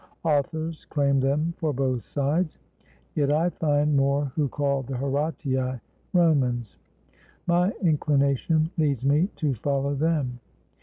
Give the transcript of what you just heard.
Authors claim them for both sides ; yet I find more who call the Horatii Romans. My inclination leads me to follow them.